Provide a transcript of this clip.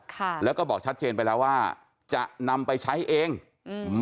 ค่ะแล้วก็บอกชัดเจนไปแล้วว่าจะนำไปใช้เองอืม